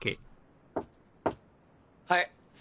はい。